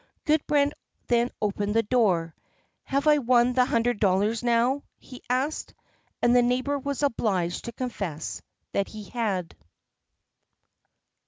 Gudbrand then opened the door. "Have I won the hundred dollars now?" he asked. And the neighbor was obliged to confess that he had.